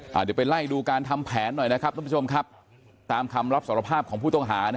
เดี๋ยวไปไล่ดูการทำแผนหน่อยนะครับตามคำรับสรภาพของผู้ต้องหา